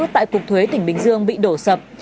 tại cục thuế tỉnh bình dương bị đổ sập